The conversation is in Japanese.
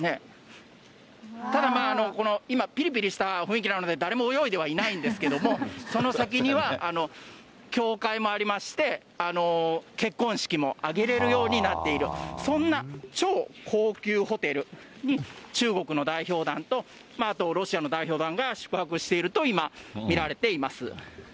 ただ、この、ぴりぴりした雰囲気なので、誰も泳いではいないんですけれども、その先には教会もありまして、結婚式も挙げれるようになっている、そんな超高級ホテルに中国の代表団と、あとロシアの代表団が宿泊していると今、見られています。